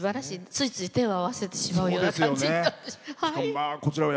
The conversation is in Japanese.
ついつい手を合わせてしまうような。